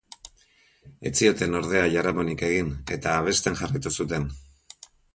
Ez zioten, ordea, jaramonik egin, eta abesten jarraitu zuten.